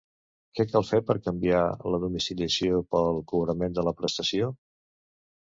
Què cal fer per canviar la domiciliació pel cobrament de la prestació?